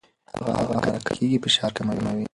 هغه حرکت چې کېږي فشار کموي.